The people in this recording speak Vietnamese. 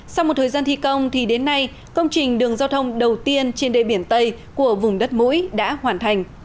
sau một thời gian thi công thì đến nay công trình đường giao thông đầu tiên trên đê biển tây của vùng đất mũi đã hoàn thành